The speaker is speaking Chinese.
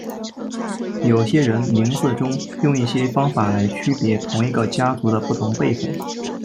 有些人名字中用一些方法来区别同一个家族的不同辈分。